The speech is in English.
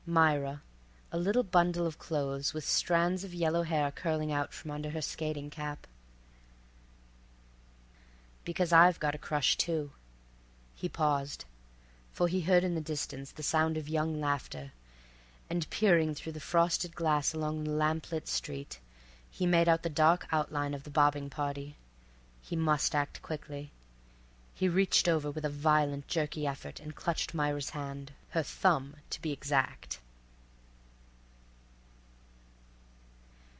Myra, a little bundle of clothes, with strands of yellow hair curling out from under her skating cap. "Because I've got a crush, too—" He paused, for he heard in the distance the sound of young laughter, and, peering through the frosted glass along the lamp lit street, he made out the dark outline of the bobbing party. He must act quickly. He reached over with a violent, jerky effort, and clutched Myra's hand—her thumb, to be exact.